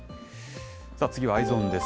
次はＥｙｅｓｏｎです。